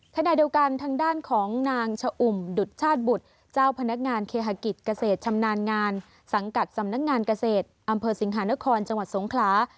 ขณะเดียวกันทางด้านของนางชะอุ่มดุดชาติบุตรเจ้าพนักงานเคหากิจเกษตรชำนาญงานสังกัดสำนักงานเกษตรอำเภอสิงหานครจังหวัดสงขลา